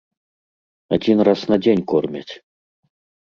Адзін раз на дзень кормяць.